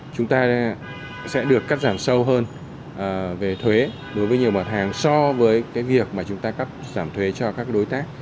chúng ta sẽ được cắt giảm sâu hơn về thuế đối với nhiều mặt hàng so với cái việc mà chúng ta cắt giảm thuế cho các đối tác